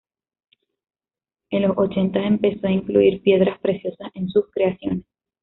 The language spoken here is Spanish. En los ochenta empezó a incluir piedras preciosas en sus creaciones.